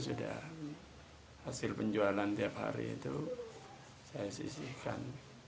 sudah hasil penjualan tiap hari itu saya sisihkan